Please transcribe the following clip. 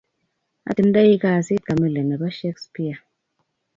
Atindai kasit kamili nebo Shakespeare.